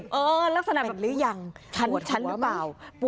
เป็นหรือยังปวดหัวมั้ย